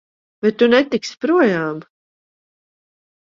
Bet tu netiksi projām!